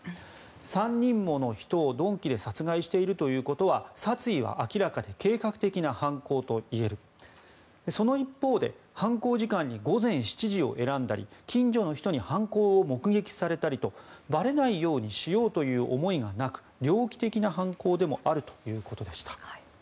３人もの人を鈍器で殺害しているということは殺意は明らかで計画的な犯行と言えるその一方で犯行時間に午前７時を選んだり近所の人に犯行を目撃されたりとばれないようにしようという思いがなく猟奇的な犯行でもあるということでした。